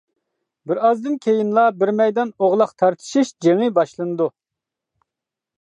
بىرئازدىن كېيىنلا، بىر مەيدان ئوغلاق تارتىشىش جېڭى باشلىنىدۇ.